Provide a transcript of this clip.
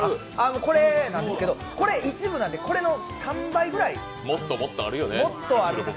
これなんですけど、これが一部なんでこれの３倍ぐらい、もっとあります。